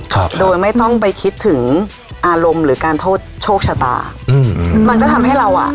ครับโดยไม่ต้องไปคิดถึงอารมณ์หรือการโทษโชคชะตาอืมมันก็ทำให้เราอ่ะ